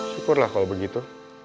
syukurlah kalau begitu